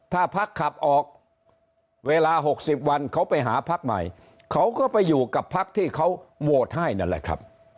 ถ้าพักขับออกเวลา๖๐วันเขาไปหาพักใหม่เขาก็ไปอยู่กับพักที่เขาโหวตให้นั่นแหละครับ